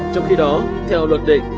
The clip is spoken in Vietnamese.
trong khi đó theo luật định